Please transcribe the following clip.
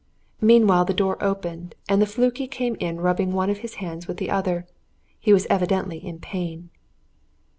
Meanwhile the door opened, and the flunkey came in rubbing one of his hands with the other; he was evidently in pain.